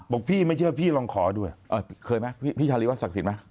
บอกพี่ไม่เชื่อพี่ลองขอด้วยเคยมั้ยพี่ชาลีว่าศักดิ์สิทธิ์มั้ย